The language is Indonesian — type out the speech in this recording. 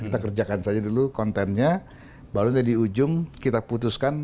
kita kerjakan saja dulu kontennya baru dari ujung kita putuskan